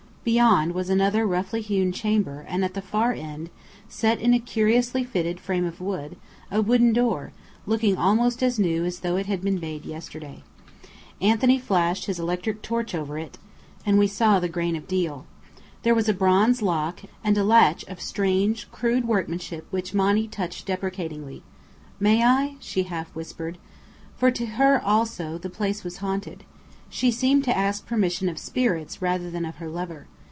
Beyond, was another roughly hewn chamber, and at the far end, set in a curiously fitted frame of wood, a wooden door, looking almost as new as though it had been made yesterday. Anthony flashed his electric torch over it, and we saw the grain of deal. There was a bronze lock, and a latch of strange, crude workmanship which Monny touched deprecatingly. "May I?" she half whispered. For to her also the place was haunted. She seemed to ask permission of spirits rather than of her lover.